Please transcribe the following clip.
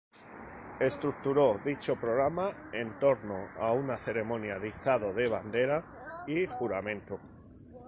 Estructuró dicho programa en torno a una ceremonia de izado de bandera y juramento.